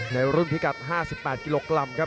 ในรุ่นพิกัด๕๘กิโลกรัมครับ